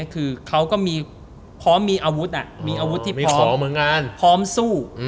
เขาก็พร้อมมีอาวุธที่พร้อมสู้